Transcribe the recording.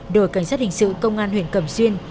đội cảnh sát hình sự công an huyện cẩm xuyên